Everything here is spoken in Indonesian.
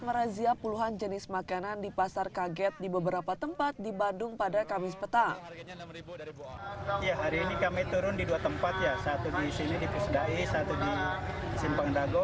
merazia puluhan jenis makanan di pasar kaget di beberapa tempat di bandung pada kamis petang